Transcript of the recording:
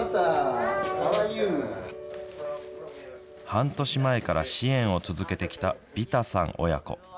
半年前から支援を続けてきたビタさん親子。